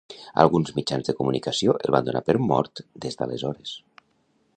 Alguns mitjans de comunicació el van donar per mort des d'aleshores.